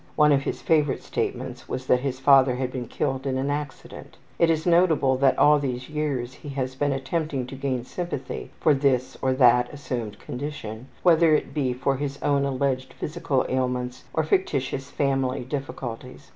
One of his favorite statements was that his father had been killed in an accident. It is notable that all these years he has been attempting to gain sympathy for this or that assumed condition, whether it be his own alleged physical ailments, or fictitious family difficulties.